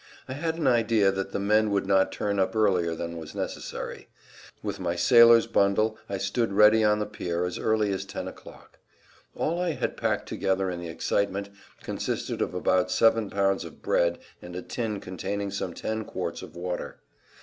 I had an idea that the men would not turn up earlier than was necessary. With my sailor's bundle I stood ready on the pier as early as ten o'clock. All I had packed together in the excitement consisted of about seven pounds of bread and a tin containing some ten quarts of water.